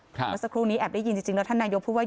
เมื่อสักครู่นี้แอบได้ยินจริงแล้วท่านนายกพูดว่า